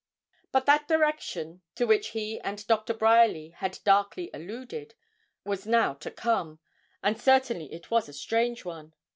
But that direction to which he and Doctor Bryerly had darkly alluded, was now to come, and certainly it was a strange one.